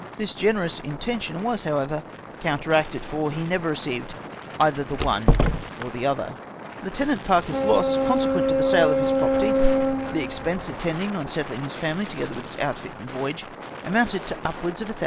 This generous intention was however counteracted, for he never received eitlier the one or the other. Lieutenant Parker's loss, consequent to the sale of his property, the expense attendant on setthng his family, together with his outfit and voyage, amounted to up wards of 1000